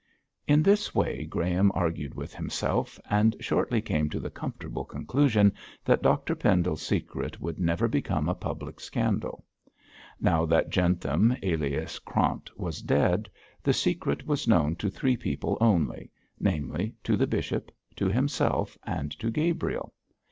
In this way Graham argued with himself, and shortly came to the comfortable conclusion that Dr Pendle's secret would never become a public scandal. Now that Jentham, alias Krant, was dead, the secret was known to three people only namely, to the bishop, to himself, and to Gabriel.